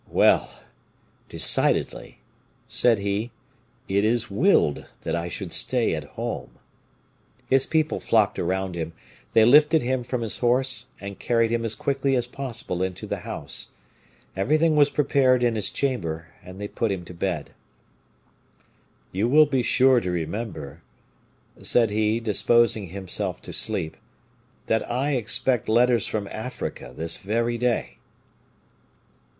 "Well! decidedly," said he, "it is willed that I should stay at home." His people flocked around him; they lifted him from his horse, and carried him as quickly as possible into the house. Everything was prepared in his chamber, and they put him to bed. "You will be sure to remember," said he, disposing himself to sleep, "that I expect letters from Africa this very day."